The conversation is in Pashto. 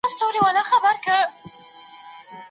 د طلاق ورکوونکي علميت او جهالت فرق نلري.